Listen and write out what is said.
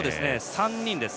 ３人です。